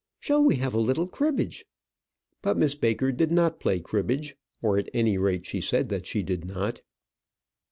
Shall we have a little cribbage?" But Miss Baker did not play cribbage; or, at any rate, she said that she did not.